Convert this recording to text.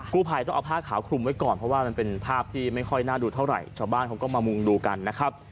ผู้ภัยต้องเอาผ้าขาวคลุมไว้ก่อนเพราะว่ามันเป็นภาพที่ไม่ค่อยน่าดูเท่าไหร่ชาวบ้านเขาก็มามุงดูกันนะครับ